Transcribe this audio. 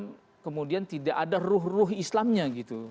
kemudian tidak ada ruh ruh islamnya gitu